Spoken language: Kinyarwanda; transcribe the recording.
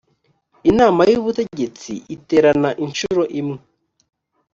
inama y ubutegetsi iterana inshuro imwe